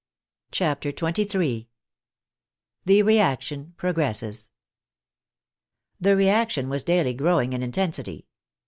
CHAPTER XXIII THE REACTION PROGRESSES The reaction was daily growing in intensity.